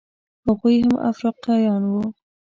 هغوی هم افریقایان وو.